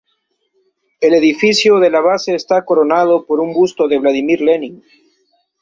El edificio de la base está coronado por un busto de Vladimir Lenin.